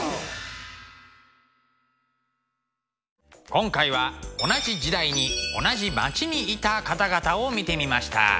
今回は同じ時代に同じ町にいた方々を見てみました。